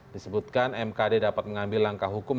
disebutkan mkd dapat mengambil langkah hukum